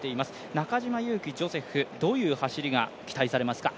中島佑気ジョセフ、どういう走りが期待されますか。